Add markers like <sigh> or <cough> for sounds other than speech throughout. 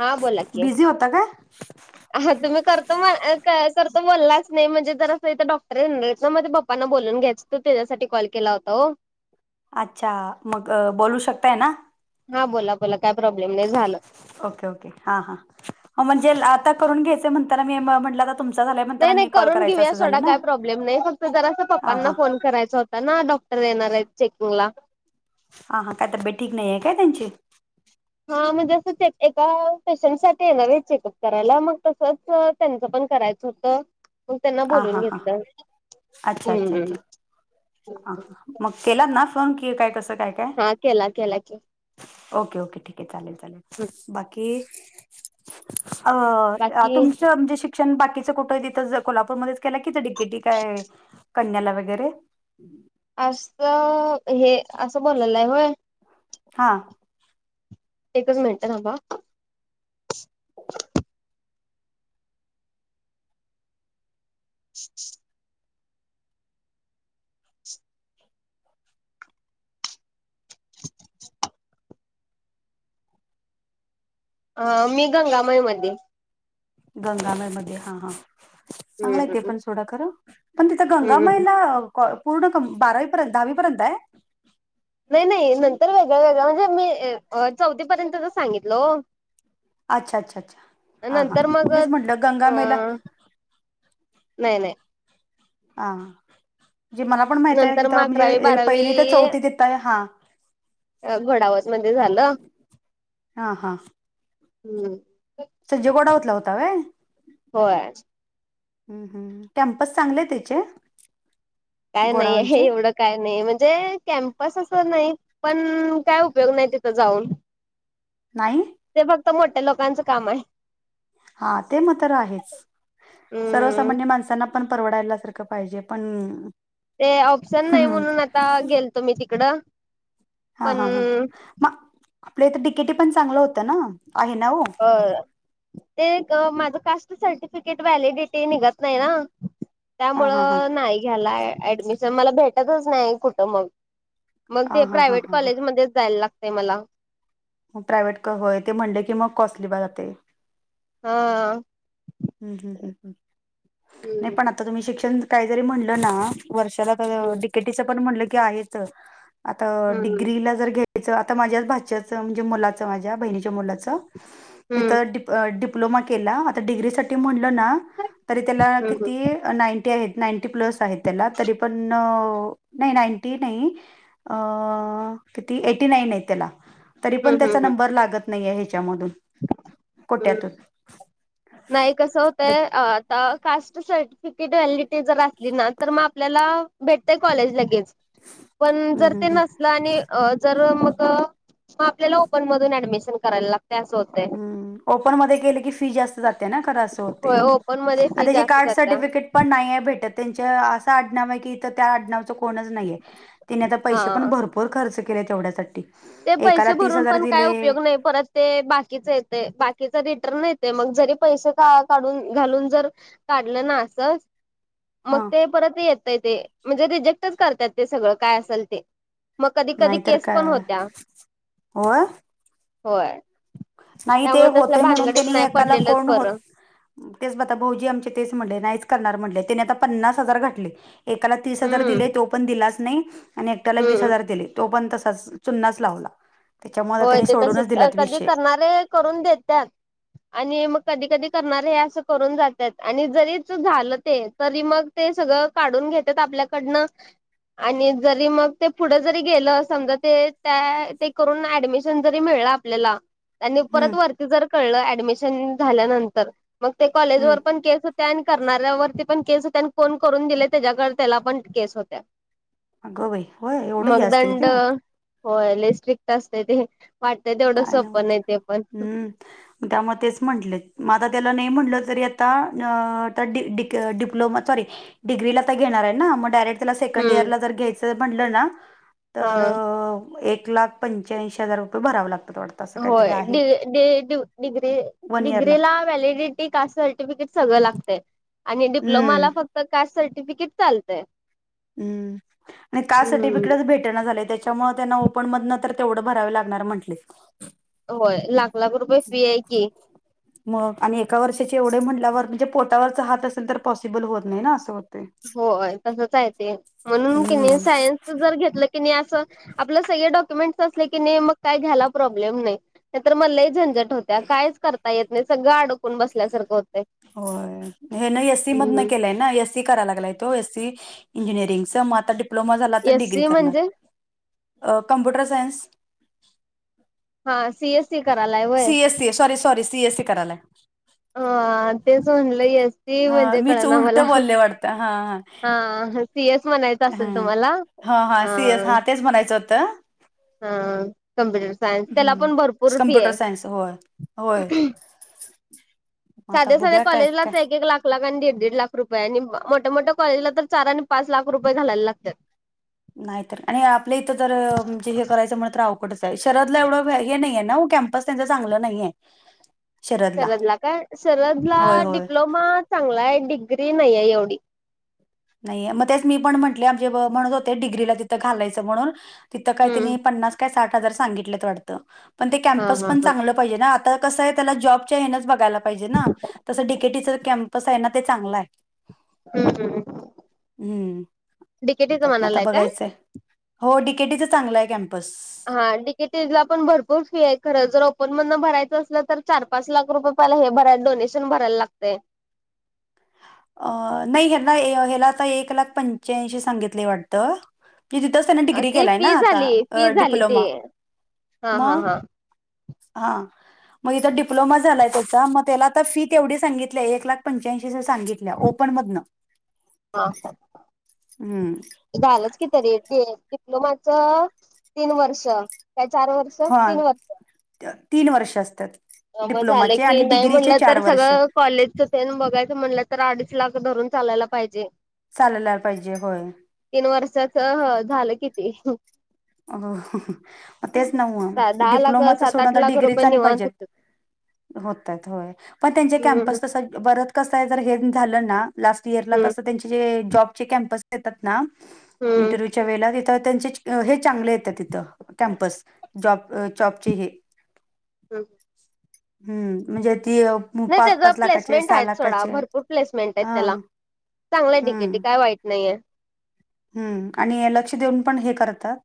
हा बोला की, बिझी होता काय हा तुम्ही करतो म्ह करतो बोललाच नाही म्हणजे जरास इथं डॉक्टर येणार ना माझे पप पप्पा ना बोलून घ्यायच होत त्याच्यासाठी कॉल केला होता ओ अच्छा मग बोलू शकताय ना हा बोला बोला काय प्रॉब्लेम नाय झाल ओके ओके हा हा हा म्हणजे आता करून घ्यायच म्हणताना मी म्हणलं आता तुमचा झालाय म नाय नाय करून घेऊ या सोडा काय प्रॉब्लेम नाय फक्त जरांस हां पप्पांना हां फोन करायचा होत ना डॉक्टर येणार येत चेकिंगला हां हां काय तब्येत ठीक नाहीये काय त्यांची हा म्हणजे असं एका पेशंट साठी येणार येत चेकअप करायला मग तसच त्यांचं पण करायचं होतं. म्हणून त्यांना हां बोलून हां हां हां घेतलं. अच्छा अच्छा हूं अच्छा हां हां मग केलात ना फोन की काय कस काय काय हा केला केला की ओके ओके ठीकये चालेल चालेल बाकी अ बाकी तुमच म्हणजे शिक्षण बाकीच कुठ तीत ज कोल्हापूरमध्येेच केला की ते डिकेटी काय कन्याला वगैरे असं हे असं बोलालय होय. हा एकच मिनटं थांबा हा <inaudible> <inaudible> अ मी गंगामाई मध्ये गंगामाई मध्ये हा हा चांगलय तेे हम्म पण सोडा खर पण तिथं गंगा माई हम्म ला कॉ पूर्ण क बारावी पर्यंत दहावी पर्यंतय. नाय नाय नंतर वेगळ वेगळ म्हणजे मी चौथी पर्यंतच सांगितल ओ अच्छा अच्छा अच्छा हा हा नंतर हां मग तेच म्हटलं अ गंगामेला नाही नाही हा जे मला पण माहित आहे नंतर मग तिथं अकरावी म्हणजे बारावी पहिली तर चौथी तिथंय हा. अ घोडावत मध्ये झालं हा हा हम्म. संजय घोडावतला होता वय. होय ह हम् कॅम्पस चांगले त्याचे. काय नाही आहे हे गोडावनचे एवढं काय नाही म्हणजे कॅम्पस असं नाही पण काय उपयोग नाही तिथं जाऊन. नाही. ते फक्त मोठ्या लोकांचं काम आहे. हा ते मग तर आहेच हम्म सर्वसामान्य माणसांना आपण परवडायला सारखं पाहिजे पण. ते ऑप्शन नाही म्हणून आता गेल तो मी तिकडं. हा पण हा हां मग आपल्या इत डिकेटी पण चांगलं होतं ना आहे ना हो. <unintelligible> ते माझं कास्ट सर्टिफिकेट व्हॅलिडिटी निघत नाही ना. हा त्यामुळ हा हा नाही घ्याला ऍडमिशन मला भेटतच नाही कुठं मग. मग हा ते हा हा प्रायवट हा कॉलेजमध्येच जायला लागतय मला. ग प्रायव्हेट होय ते म्हणले की मग कॉस्टली बा जाते. हा. हम् नाही हम्म पण आता तुम्ही शिक्षण काहीतरी म्हणलं ना वर्षाला हम्म डीकेटीच पण म्हणलं क आहे आता हम्म डिग्रीला जर घे तच आता माझ्याच भाच म्हणजे मुलाचं माझ्या बहिणीच्या मुलाचं तिथं डीप डिप्लोमा केला आता डिग्रीसाठीठी म्हणलं ना तरी त्याला हम्म किती. नाईंटी आहेत नाईंटी प्लस आहे त्याला तरी पण नाही नाईंटी नाही. अ किती एटी नाईन आहे त्याला. तरी पण हम्म त्याचा हम्म नंबर लागत नाही आहे ह्याच्यामधून हम्म कोट्यातून. नाही कसं होतय आता. कास्ट सर्टिफिकेट व्हॅलिडिटी जर असली ना तर मग आपल्याला भेटतेय कॉलेज लगेच. पण हम्म जर हम्म ते हम्म नसल आणि. अ जर मग मग आपल्याला ओपन मधून ऍडमिशन करायला लागतय असं होतं. ओपन मध्ये केल की फी जास्त जात्या ना खर अस होतय होय ओपन मध्ये फी आता जे जास्त कार जात्या सर्टिफिकेट पण नाही आहे भेटत त्यांच्या असं आडनाव आहे की इथ त्या आडनावच कोणच नाहीे. तिने आता पैसे पण हा भरपूर खर्च केले तेवढ्यासाठी. ते एकाला पैसे तीस भरून हजार पण काय दिले उपयोग नाही परत ते बाकीच येते बाकीचा रिटर्न येत ते मग जरी पैसे का काढून घालून जर काढलं नस मग हा ते. परत येतय ते म्हणजे रजेक्टच करतात ते सगळं काय असेल ते. मग कधी कधी नाहीतर केस पण काय होत्या. होय. होय. नाही ते त्यामुळे तसल्या होते म्हणून भानगडीत त्यांनी नाही एकाला पडलेलंच कोण हो बरं तेच बता भाऊजी आमचे तेच म्हणले नाहीच करणार म्हणले त्यानी आता पन्नास हजार घातटले. एकाला तीस हजार हम्म दिले तो पण दिलाच नाही आणि एकट्याला वीस हम्म हजार दिले. तो पण तसाच चुन्नाच लावला. त्याच्यामुळे आता होय त्यांनी ते कस सोडूनच दिलात कधी विषय करणारे करून देतात. आणि मग कधी कधी करणार हे असं करून जातात आणि जरीच झालं ते. तरी मग ते सगळं काढून घेतात आपल्याकडनं. आणि जरी मग ते पुढे जरी गेलं समजा ते त्या ते करून ऍडमिशन जरी मिळ आपल्याला त्यां परत हम्म वरती जर कळलं ऍडमिशन झाल्यानंतर. मग ते कॉलेज वर हम्म पण केस हो त्यानी करणाऱ्यावरती पण केस होतनी फोन करून दिले त्याच्याकडे त्याला पण केस होत्या. अगं बाई होय एवढं ह असत ते हो लले स्ट्रिक्ट असत ते वाटतंय तेवढं काय सोपं नवच नाही ते पण हम्म त्यामुळे तेच म्हंटले मग आता त्याला नाही म्हटलं तरी आता डिप्लोमा सॉरी डग्रीलाेणार ना मग डायरे त्याला सेकंड हम्म इयरला जर घ्यायचं म्हणलं ना हा तर एक लाख पंच्याऐंशी हजारुपये भराव लागत वाटं होय डी डी डीव डिग्री वन इयरला डिग्रीला व्हॅलिडट कास सर्टिफिकेट सगळ लागते आणि हम्म डिप्लोमाला फक्त कास् सर्टिफिकेट चाल हम्म आणि कासाठी हम्म विकडच भेटण झालंय त्या त्याना ओपध भरा लागणार म्हं होय लाख लाख रुपये फी आहे की मग आणि एका वर्षाचे एवढे म्हटल्यावर म्हणजे पोटावरचा हात असेल तर पॉसिबल होत नाही ना असं होत हो तसच आहे ते म्हणून क नाही हम्म. सायन्स जर घेतलं की नाही असं आपलं सगळे डॉक्युमेंट असले की नाही मग काय घ्यायला प्रॉब्लेम नाही नाही तर मल्लाही झंझट होत्या कायच करता येत नाही सगळं अडोकून बसल्यासारखं होत हो हेन एसी मधन केलंय एसी करा लागला तो एसी इंजिनिरींग च म आता डिप्लोमा झाला तर एस डिग्री सी म्हणजे करणार कॉम्प्युटर सायन्स हा,, सीएस सी करायलाय वय. CSC sorry sorry C AC करायला अ तेच म्हणलंय ती हा म्हणजे कळ मीच ना उलट मला बोलले वाटतं हा हा सी एस म्हणायच हा असेल हा. तुम्हाला हा अ हा सीएस हा तेच म्हणायचं होतं. हा कमप्युटर सायन्स त्याला हम्म. पण भरपूर फी कम्प्युटर आहे सायन्स होय होय मग आता साध्या साध्या बघूया काय काय कॉलेजलाच एक एक लाख एक लाख आणि दीड दीड लाख रुपये आणि मोठ्या मोठ्या कॉलेजला तर चार आणि पाच लाख रुपये घालायला लागतात नाहीत आणि आपल्या इथं तर म्हणजे हे करायचं म्हण तर अवघढच आहे शरदला एवढं हे नाहीे ना कॅम्प त्यांचं चांगलं नाहीये शरदला. सरदला काय सरदला होय, होय. डिप्लोमा चांगला आहे डिग्री नाहीये एवढी नाही मग तेच मी पण म्हटले आमचे म्हणत होते डि्रीला तिथं घालायचं म्हणून तिथं काही हम्म त्यांनी पन्नास काय साठ हजार सांगित वाटत पण ते हा कॅमपस हा पण हा चांगलं पहिलं आता कस आहे त्याला जॉबच्या हेणंच बघायला पाहिजे ना तसं आहे ना ते चांगलं आहे हम्म हम् हम्म,, त्यात ना आता काय? बघायचंय,, हो, डीकेटीचं चांगलं आहे कॅम्पस. हा डिकेटला पण भरपूर फी आहे खरं जर ओपन मधन भरायचं असलं तर चार पा पाच लाख रुपये पहिला हे भराय डोनेशन भरायला लागते. नाही ह्यांना ह्याला आता एक लाख पंच्यांशी सांगितले वाटतं तिथं त्यांन डिग्री ते केलाय ना फी झाली फी आता झाली ते डिप्लोमा हा हा मग हा हा, मग इथं डिप्लोमा झालाय त्याचा मग त्याला आता फी तेवढी सांगितलीय एक लाख पंच्याऐंशी ह सांगित ओपन मधन् हा. झालंच की तरी डिप्लोमाच तीन वर्ष काय चार वर्ष हा,, तीन वर्ष तीन वर्ष असतात. म झालं डिप्लोमाचे की आणि नाही डिग्रीचे म्हणलं चार तर वर्ष सगळं कॉलेजचच बघायचं म्हटलं तर अडीच लाख धरून चालायला पाहिजे चालयला पाहिजे होय तीन वर्षांच झालं किती तेच न व मग दहा लाख डिप्लोमाच सात सोड आठ आता लाख डिग्रीच रुपये नाही निवांत पाहिजेत. होत होत होय पण त्यांचे हम्म कॅमपस तस परत कसय जर का हे झालं ना लास्ट इयरला हम्म कसं त्यांचे जे जॉबचे कॅम्पस येतात ना हम्म इंटरव्ह्यूच्या वेळेला तिथं त्यांचे हे चांगले येते तिथ कॅम्पस जॉब जॉबचे हे हम्म हम्म म्हणजे ती नाही पाच त्याच पाच लाखाचे प्लेसमेंट सहा आहेत थोडा लाखाचे भरपूर प्लेसमेंट आहे हा त्याला चांगल्या तिकेटी हम्म काय वाईट नाही आहे हम्म आणि लक्ष देऊन पण हे करतात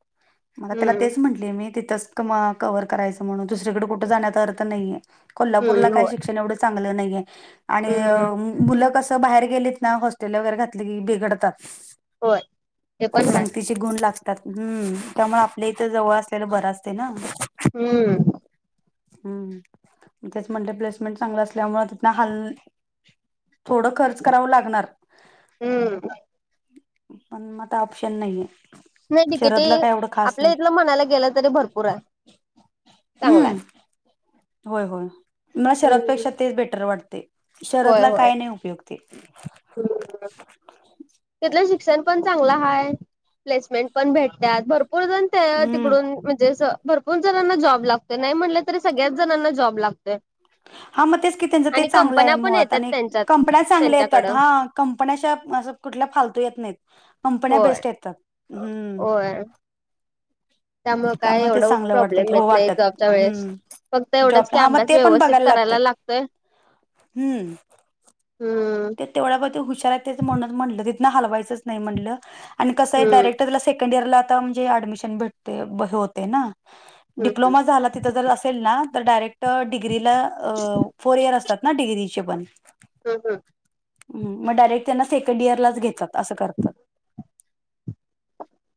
मग त्याला हम्म तेच म्हट तिथ करायच म्हणून दुसरीकडे कुठ जाण्यात अर्थ नाही कोल्हापूरला हम्म काय होय एवढं चांगलं नाही आणि हम्म मुलं कसं बाहेर गेलेत ना हॉस्टेलवर वगैरे घातली की बिघडतात. होय ते पण हाय. तिचे गुण लागतात हम्म त्यामुळे आपल्या इथं जवळ असल्याला बर असते ना हम्म हम् तेच म्हणल प्लेसमेंट चांगला असल्यामुळे तिथन हाल थोडं खर्च करावं लागणार हम्म पण म आता ऑप्शन नाहीये. नाही ते किती शरदला काय एवढं खास आपल्या नाही इथलं म्हणायला गेलं तरी भरपूर आहे चांगला हम्म आहे. होय होय मला हम्म शहरापेक्षा तेच बेटर वाटते शहराला काय नाही उपयोगते. हो तिथलं शिक्षण पण चांगलं आहे प्लेसमेंट पण भेटत्यात भरपूर <unintelligible> त्या हम्म तिकडून म्हणजे असं भरपूर जणांना जॉब लागतोय नाही म्हटलं तरी सगळ्याच जणांना जॉब लागतोय. हा मग तेच की त्यांच ते आणि चांगलं आहे कंपन्या पण मुळात येतात आणि त्यांच्यात कंपन्या चांगल्या येतात त्यांच्याकडं हा. कंपन्या अशा अस कुठल्या फालतु येत नाहीत. कंपन्या होय बेस्ट येतात. हम्म होय त्यामुळे काय ते एवढं चांगलं वाटतात प्रॉब्लेम हो येत नाही, वाटत एकजझामच्या वेळेस, हम्म फक्त एवढंच जॉब की हा मग अभ्यास ते पण व्यवस्थित बघायला लागतात करायला लागतय. हम्म ते तेवढ्या हुशार म्ह म्हटलं तिथन हलवायचंच नाही म्हटलं आणि कसं डयरे हम्म डायरेक्ट त्याला सेकंड इयरला म्हणजे ऍडमिशन भेटते हे होतंय ना हम्म हम्म डिप्लोमा झाला. जर असेल ना, तर डायरेक्ट डिग्रीला, फोर इयर असतात ना डिग्रीचे पण, हम हम मग डायरेक्ट त्यांना सेकंड इयरलाच घेतात असं करतात.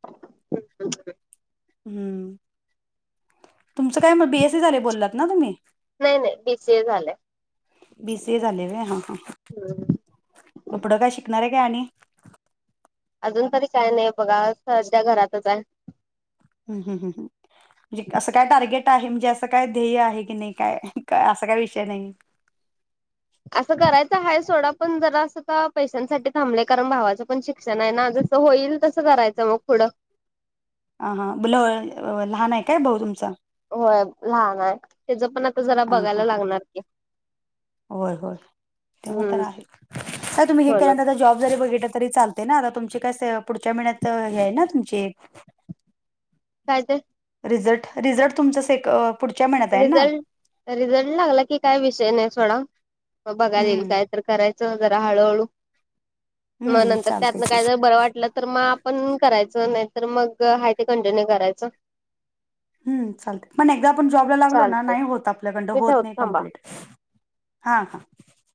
हम्म हम्म तुमचं काय म बी एस सी झाले बोललात ना तुम्ही? नाही नाही बी सीए झालंय. बी सी ए झाले मी हा हा पुढं काय शिकणार आहे काय आणि? अजून तरी काय नाही बघा सध्या घरातच आहे. हम हम हम्म म्हणजे असं काय टार्गेट आहे म्हणजे असं काय ध्येय आहे की नाही काय असा काय विषय नाही. असं करायचं आहे सोडा पण जरा असं का पैशांसाठी थांबलंय कारण भावाचं पण शिक्षण आहे ना अजुन. होईल तसं करायचं मग पुढं ह हा, बला, लहान आहे काय भाऊ तुमचा? व्हय लहान आहे त्याच पण आता जरा हा हा बघायला हा लागणार की. होय होय ते मग तर हम्म आहे काय तुम्ही हे म्हणून केल्यानंतर जॉब जरी बघितता तरी चाल ना आता तुमची काय पुढच्या महिन्यात हे आहे ना तुमची काय ते? रिझल्ट रिझल्ट तुमच से पुढच्या महिन्यात आहे ना? रिझल्ट, रिझल्ट लागला की काय विषय नाही सोडा, मग बघायल ईल हम्म कायऽ करायच जरा हळूहळू मग हम्म नंतर चालतंय त्यातन की. काय बरं वाटलं तर मग आपण करायचं नाहीत तर मग आहे ते कंटिन्यू करायचं. हम् चालते पण एकदा आपण जॉबला लागलो ना चालतंय नाही होत आपल्याकडडं मी होत ठेवते नाही थांबा कम्प्लीट हा हा